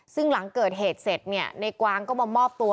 ซึ่งหลังเกิดเหตุเสร็จเนี่ยในกวางก็มามอบตัว